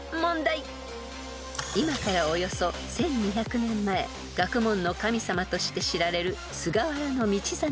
［今からおよそ１，２００年前学問の神様として知られる］